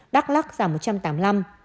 đắk lắc giảm một trăm tám mươi năm